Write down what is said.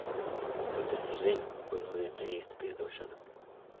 Tu taču zini, ko nozīmē īsta piedošana?